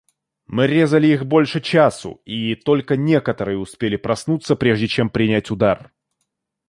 Мы резали их больше часу, и только некоторые успели проснуться, прежде чем принять удар.